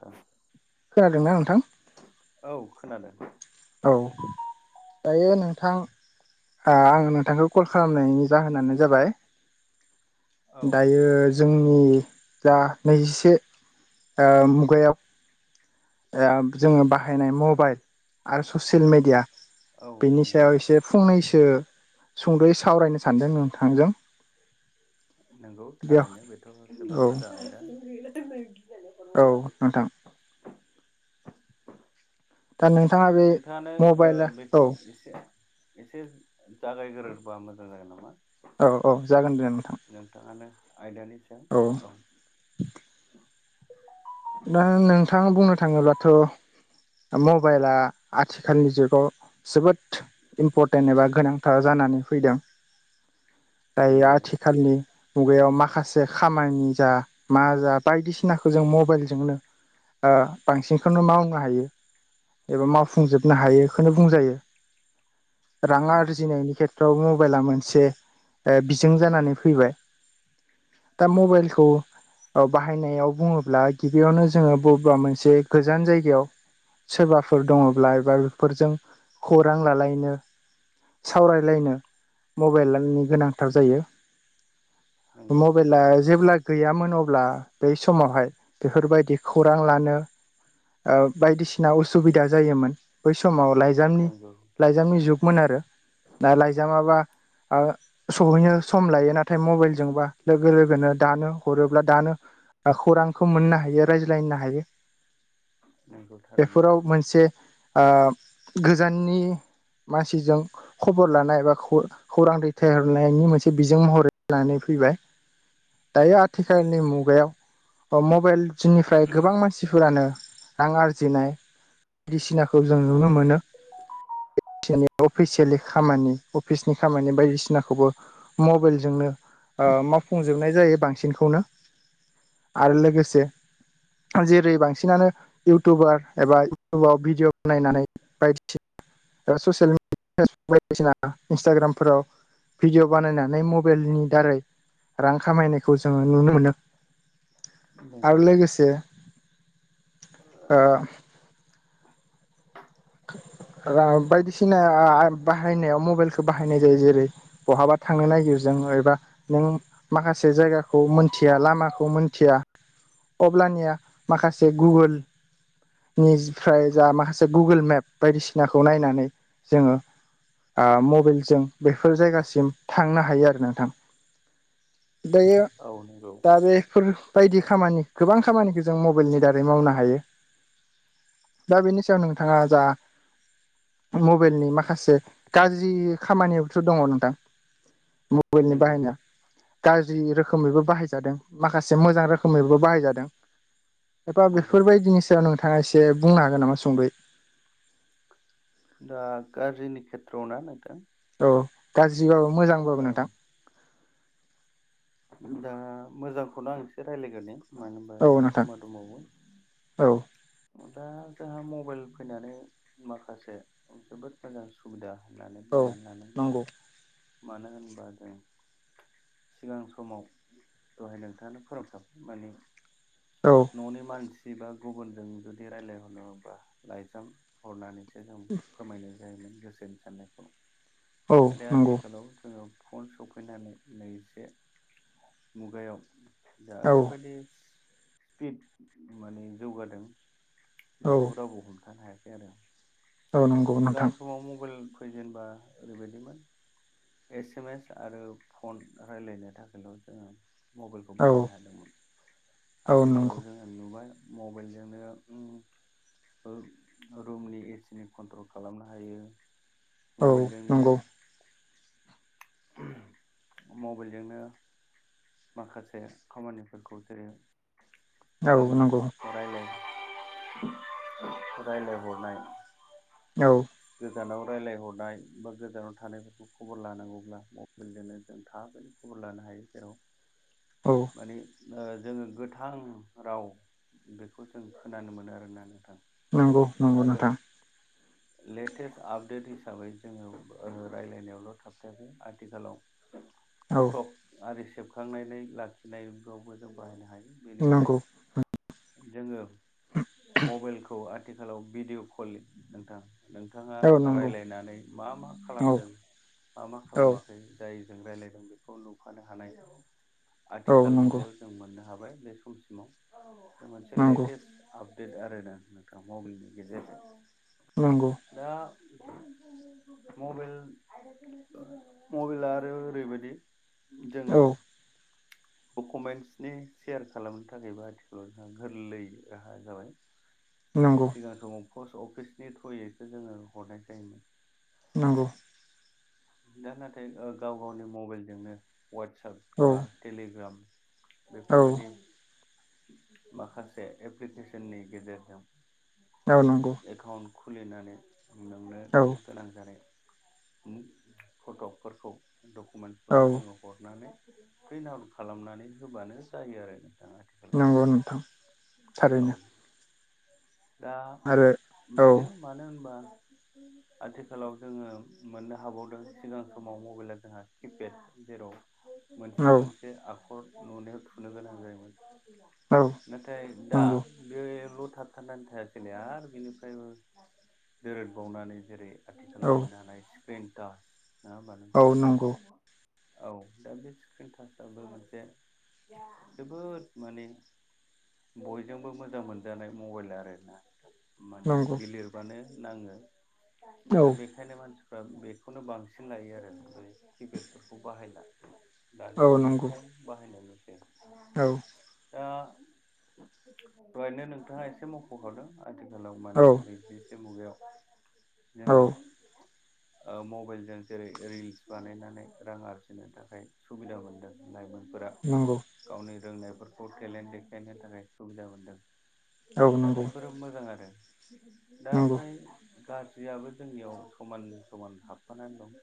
औ [inaudible] खोनादों ना नोंथां औ खोनादों औ दायो नोंथां आं नोंथांखौ कल खालामनायनि जाहोनानो जाबाय औ दायो जोंनि जा नैजिसे मुगायाव जोङो बाहायनाय मबाइल आरो ससियेल मेडिया औ बेनि नंगौ सायाव एसे फंनैसो सुंद'यै सावरायनो सानदों नोंथांजों नंगौ बेयाव थारैनो बेथ' औ जोबोर मोजां आयदा औ नोंथां दा नोंथाङा बे नोंथाङानो मबाइला औ बेखौ एसे एसे जागायगोरोबा मोजां जागोन नामा औ औ जागोन दे नोंथां नोंथाङानो आयदानि औ सायाव [unintelligible] दा नोंथां बुंनो थाङोबाथ' मबाइला आथिखालनि जुगाव जोबोद इम्परटेन्ट एबा गोनांथार जानानै फैदों दायो नंगौ आथिखालनि मुगायाव माखासे खामानि जा मा जा बायदिसिनाखौ जों मबाइलजों नो बांसिनखौनो मावनो हायो एबा मावफुंजोबनो नंगौ हायो बुंजायो रां नंगौ आरजिनायनि खे [unintelligible] मबाइला मोनसे बिजों जानानै फैबाय दा मबाइलखौ बाहायनायाव बुङोब्ला गिबियावनो जोङो बबेबा मोनसे गोजान जायगायाव सोरबाफोर दङब्ला एबा बेफोरजों खौरां लालायनो सावरायलायनो मबाइलनि गोनां [unintelligible] जायो नंगौ मबाइला जेब्ला गैयामोन अब्ला बै समावहाय बेफोरबायदि खौरां लानो बायदिसिना उसुबिदा जायोमोन बै समाव लाइजामनि नंगौ लाइजामनि जुगमोन आरो दा लाइजामाबा। सहैनो सम लायो नाथाय मबाइलजोंबा लोगो लोगोनो दानो हरोब्ला दानो। ओ खौरां हायो रायज्लायनो नंगौ थारैनो बेफोराव मोनसे गोजाननि मानसिजों खबर लानाय बा खौरां दैथायहरनायनि मोनसे बिजों महरै लानानै फैबाय। दायो आथिखालनि मुगायाव मबाइल जोंनिफ्राय गोबां मानसिफोरानो रां आरजिनाय। बायदिसिनाखौ जों नुनो नंगौ मोनो। अफिसियेलि खामानि अफिसनि खामानि बायदिसिनाखौबो। मबाइलजोंनो मावफुंजोबनाय जायो बांसिनखौनो आरो लोगोसे जेरै बांसिनानो। इउटुबार एबा इउटुबाव भिडिअ बानायनानै बायदिसिना ओ ससियेलि फेसबुक बायदिसिना इन्सटाग्रामफोराव भिडियअ बानायनानै मबाइलनि दारै रां खामायनायखौ जोङो नुनो मोनो नंगौ आरो लोगोसे ओ बायदिसिना बाहायनायाव मबाइलखौ बाहायनाय जायो जेरै बहाबा थांनो नागिर जों एबा नों माखासे जायगाखौ मोनथिया लामाखौ मोनथिया अब्लानिया माखासे गुगोलनिफ्राय जा माखासे। गुगोल मेप बायदिसिनाखौ नायनानै जोङो। ओ मबाइेलजों बेफोर जायगासिम थांनो हायो आरो नोंथां। दायो औ नंगौ दा बेफोर। बायदि खामानि गोबां खामानिखौ जों मबाइलनि दारै मावनो हायो। दा बेनि सायाव नोंथाङा जा। मबाइलनि माखासे गाज्रि खामानियावथ' दङ नोंथां। बेलनि नंगौ बाहायनाया गाज्रि रोखोमैबो बाहायजादों माखासे मोजां रोखोमैबो बाहायजादों। एबा नंगौ बेफोरबायदिनि सायाव नोंथाङा एसे बुंनो हागोन नामा सुंदयै दा गाज्रिनि खेथ्रआवना नोंथां। औ गाज्रिबाबो मोजांबाबो औ नोंथां। दा मोजांखौनो आं एसे रायज्लायग्रोनि मानो होनबा औ जोंहा नोंथां समा दंबावो। औ। दा जोंहा मबाइल फैनानै माखासे जोबोद मोजां सुबिदा होननानै औ बुंनानै लानांगोन नंगौ मानो होनबा जों। सिगां समाव दहाय नोंथाङानो फोरोंथाब माने औ। न'नि मानसि बा गुबुनजों जुदि रायज्लायहरनो अब्ला लाइजाम हरनानै। से जों फोरमायनाय जायोमोन गोसोनि साननायखौ औ नाथाय नंगौ आथिखालाव जोङो। फन सफैनानै नैसे मुगायाव दा औ ओरै बायदि स्पिड माने जौगादों औ बेखौबो रावबो हमथानो हायाखै आरो आं औ नंगौ सिगां नोंथां समाव मबाइल फैजेनबा ओरैबायदिमोन एस एम एस आरो फन रायलायनो थाखायल' जोङो। मबाइलखौ औ बाहायनो हादोंमोन औ आथिखालाव नंगौ जोङो। नुबाय मबाइलजोंनो रुमनि एसिनि। कन्ट्रल खालामनो हायो औ मबाइलजोंनो। नंगौ मबेलजोंनो माखासे खामानिफोरखौ जेरै औ ओं नंगौ रायलाय रायलायहरनाय औ गोजानाव रायजलायहरनाय बा गोजानाव थानायफोरखौ खबर लानांगौब्ला मबाइलजोंनो जों थाबैनो खबर लानो हायो जेराव औ माने ओ जोङो गोथां राव बेखौ जों खोनानो मोनो आरोना नोंथां नंगौ नंगौ आरो नोंथां लेटेस्ट आपडेट हिसाबै जोङो रायलायनायावल' थाबथायाखै आथिखालाव औ फटक आरि सेबखांनानै लाखिनायावबो जों बाहायनो हायो बेनिफ्राय नंगौ जोङो मबाइलखौ आथिखालाव भिडिअ' कलि नोंथां नोंथाङा औ नंगौ रायलायनानै मा मा औ खालामदों मा मा औ खालामाखै जाय जों रायज्लायदों बेखौ नुफानो हानाय औ आथिखाल नंगौ मुगायाव जों मोननो हाबाय बे समसिमाव बे मोनसे नंगौ लेटेस्ट आपडेट आर ना नोंथाङा मबाइलनि गेजेरजों [unintelligible] नंगौ। दा मबेल मबेला आरो ओरैबायदि जोङो औ डकुमेन्टसनि सेयार खालामनो थाखायबो आथिखालाव जोंहा गोरलै राहा जाबाय नंगौ जो समाव पस्ट अफिसनि थ्रयैसो जोङो हरनाय जायोमोन। नंगौ दा नाथाय ओ गाव गावनि मबाइलजोंनो वाट्सप औ बा टेलिग्राम बेफोर औ बायदि माखासे एप्लिकेसननि गेजेरजों औ नंगौ। एकाउन्ट खुलिनानै नोंनो औ गोनां जानाय फट'फोरखौ डकुमेन्टफोरखौ औ जोङो हरनानै प्रिन्ट आउट खालामनानै होबानो जायो आरो नोंथाङा नंगौ नोंथां थारैनो। दा आरो औ बेनो मानो होनबा आथिखालाव जोङो मोननो हाबावदों सिगां समाव मबाइला जोंहा किपेड जेराव मोनसे औ मोनसे आखर नुनायाव थुनो गोनां जायोमोन। औ नाथाय दा नंगौ बेल' था थथान्नानै थायासैलै आरो बिनिफ्रायबो दोरदबावनानै जेरै औ आथिखालाव मोननो हानाय स्क्रिनटाच नङा होमबा औ नोंथां? नंगौ औ दा बे स्क्रिन टाचाबबो मोनसे जोबोद माने बयजोंबो मोजां मोनजानाय मबाइल आरोना माने नंगौ बिलिरबानो नाङो औ दा बे बेखायनो मानसिफ्रा बेखौनो बांसिन लायो आरो किपेडफोरखौ बाहायला दानि औ समाव नंगौ खम बाहायनाय नुसै औ दा बेहायनो नोंथाङा एसे मख'खादों। आथिखालाव औ मानि नैजिसे मुगायाव औ जोङो ओ मबाइलजों जेरै रिल्स बानायनानै रां आरजिनो थाखाय सुबिदा मोनदों लाइमोनफोरा नंगौ। गावनि रोंनायफोरखौ टेलेन्ट देखायनो थाखाय सुबिदा मोनदों। औ दा नंगौ बेफोरो मोजां आरो दा नंगौ ओमफ्राय गाज्रियाबो जोंनियाव समान समान हाबफानानै दं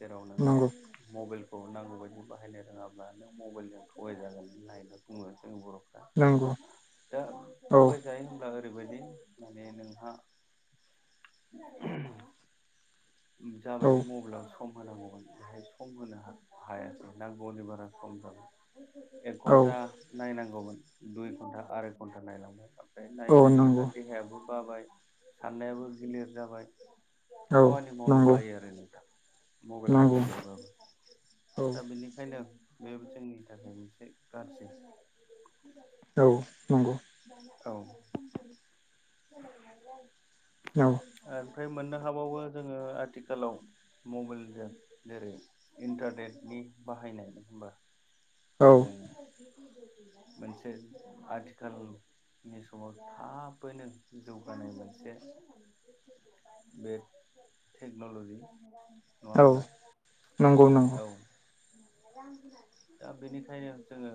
जेराव नोङो नंगौ मबाइल बे नांगौ बायदि बाहायनो रोङाब्ला नों मबाइलजों थगाय जागोन होननायनानै बुङो जोंनि बर' नंगौ दा औ थगाय जायोब्ला ओरैबायदि माने नोंहा औ जाबायदि मबाइलावसो सम होनांगौमोन बेहाय सम होनो हायासै नांगौनि बारा सम जाबाय एक औ घन्टा नायनांगौमोन दुइ घन्टा आराय घन्टा नायलांबाय आं ओमफ्राय औ नायै नायै नंगौ नोंहा देहायाबो बाबाय साननायाबो गिलिर जाबाय औ खामानि मावनो नंगौ बायो आरो नों दा मबाइल नंगौ नायबायबाबो औ दा बेनिखायनो बे जोंनि थाखाय मोनसे गाज्रि औ नंगौ। औ औ ओमफ्राय मोननो हाबावो जोङो आथिखालाव मबाइलजों जेरै इन्टारनेटनि बाहायनाय नङा होनबा? औ ओजों मोनसे आथिखाल नि समाव थाबैनो जौगानाय मोनसे बे टेक्न'ल'जि नङा औ होमब्ला नंगौ नंगौ औ दा बेनिखायनो जोङो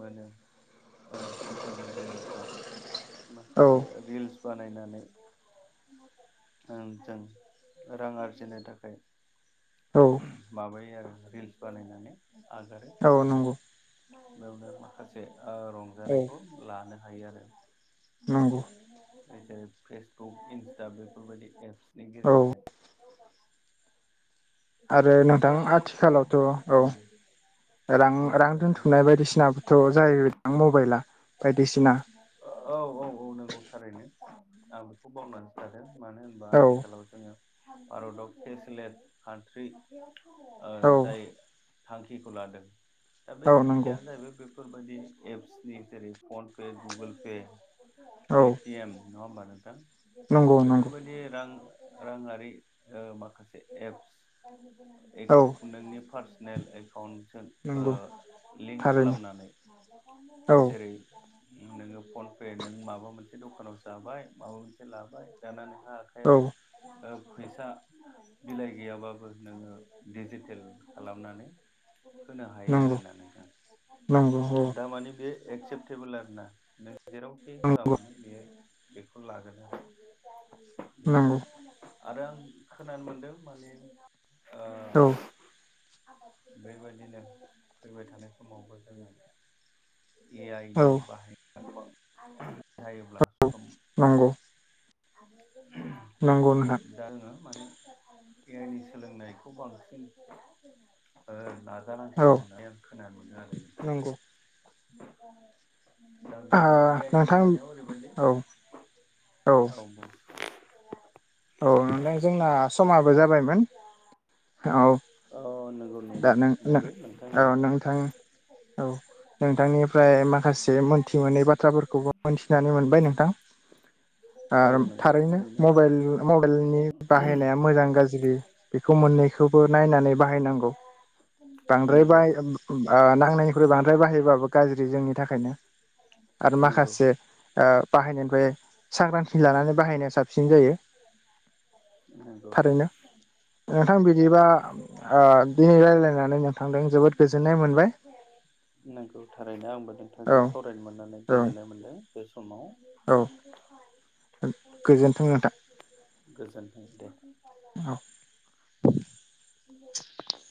मोनो ओ ससियेल मेडियाफ्राव औ माखासे रिल्स बानायनानै जों रां आरजिनो थाखाय औ माबायो आरो रिल्स बानायनानै आगारो औ आरो नंगौ बेयावनो माखासे ओ औ रंजानायखौ लानो हायो आरो नंगौ जेरै फेसबुक इन्स्टा बेफोरबायदि एप्सनि औ गेजेरजों आरो नोंथां दा फम आथिखालावथ' औ रां बुं रां नोंथां दोनथुमनाय बायदिसिनाबोथ' जायो नोंथां मबाइला बायदिसिना औ औ औ नंगौ थारैनो आं बेखौ बावनानै थादों मानो होन- बा औ आथिखालाव जोङो भारताव केसलेस कान्ट्रि ओ औ जाय थांखिखौ लादों दा बे औ नंगौ थांखियानो जाहैबाय बे बेफोरबायदि एप्सनि जेरै फनपे गुगोल पे औ पेटिएम नङा होमबा नोंथां नंगौ नंगौ बैफोरबायदि रां राङारि माखासे एप्स ए औ नोंनि पार्सनेल एकाउन्टजों ओ नंगौ लिंक थारैनो खालामनानै औ जेरै नोङो फनपे नों माबा मोनसे दखानाव जाबाय माबा मोनसे लाबाय दाना नोंहा औ आखायाव फैसा बिलाइ गैयाबा नोङो डिजिटेल खालामनानै होनो हायो नंगौ आरोना नोंथां नंगौ औ दामाने बे एक्सेप्टेबोल आरो ना नों जेरावखि होआ मानो बेयो बेखौ लागोन आरो नंगौ आरो आं खोनानो मोनदों माने ओ औ बेबायदिनो फैबाय थानाय समावबो जोङो ए आइ नि औ बाहायनाया गोबां जायोब्ला सम नंगौ आरो नंगौ नोंथां दा जोङो माने ए आइ नि सोलोंनायखौ बांसिन ओ औ नाजानांसिगौ होननानै आं खोनानो मोनदों आरो नंगौ दा ओ बे ए आइ नि नोंथां बाहायनायाव ओरैबायदि औ औ औ औ नोंथां जोंना समाबो जाबायमोन औ औ नंगौ दा नों नों नंगौ नोंथां औ होननाया नोंथां औ नोंथांनिफ्राय माखासे मोनथि मोनै बाथ्राफोरखौबो मोनथिनानै मोनबाय नोंथां औ आरो नंगौ थारैनो आं मबाइलनि मबाइलनि बाहायनाया मोजां गाज्रि गाज्रि बेखौ मोननैखौबो नायनानै बाहायनांगौ। बांद्राय बा नंगौ ओ नांनायनिख्रुइ बांद्राय बाहायोबाबो गाज्रि जोंनि थाखायनो आरो नंगौ माखासे बाहायनायनिफ्राय सांग्रांथि लानानै बाहायनाया साबसिन जायो नंगौ थारैनो नोंथां बिदिबा ओ दिनै रायज्लायनानै नों- जोबोद गोजोननाय मोनबाय। नोंगौ थारैनो आंबो औ नोंथांजों सावरायनो मोननानै औ गोजोननाय मोनदों बे समाव औ गोजोनथों नोंथां। गोजोनथों दे। औ द [unintelligible]